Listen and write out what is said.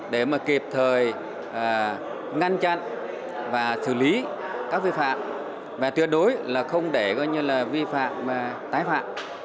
để mà kịp thời ngăn chặn và xử lý các vi phạm và tuyệt đối là không để vi phạm tái phạm